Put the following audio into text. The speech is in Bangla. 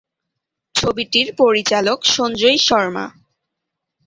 ছবিটির পরিচালক সঞ্জয় শর্মা।